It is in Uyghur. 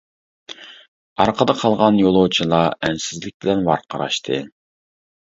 ئارقىدا قالغان يولۇچىلار ئەنسىزلىك بىلەن ۋارقىرىشاتتى.